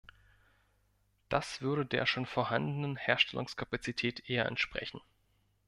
Das würde der schon vorhandenen Herstellungskapazität eher entsprechen.